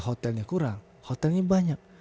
hotelnya kurang hotelnya banyak